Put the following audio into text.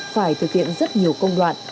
phải thực hiện rất nhiều công đoạn